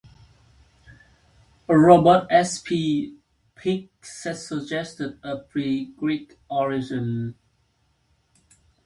Robert S. P. Beekes has suggested a Pre-Greek origin.